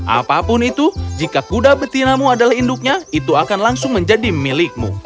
apapun itu jika kuda betinamu adalah induknya itu akan langsung menjadi milikmu